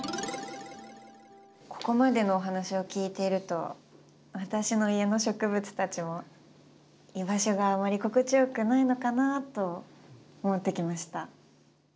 ここまでのお話を聞いていると私の家の植物たちも居場所があまり心地よくないのかなと思ってきました。